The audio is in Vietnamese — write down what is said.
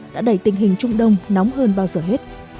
đã đẩy tình hình trung đông nóng hơn bao giờ hết